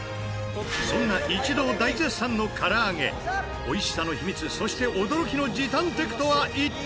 そんな一同大絶賛の唐揚げおいしさの秘密そして驚きの時短テクとは一体？